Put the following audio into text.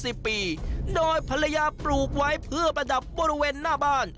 สิบปีโดยภรรยาปลูกไว้เพื่อประดับบริเวณหน้าบ้าน